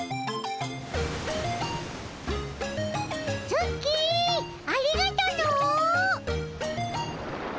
ツッキーありがとの。